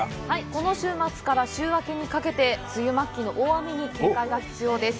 この週末から週明けにかけて、梅雨末期の大雨に警戒が必要です。